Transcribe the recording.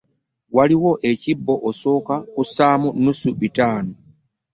Waliwo ekibbo osooka n'ossaamu nnusu bitaano.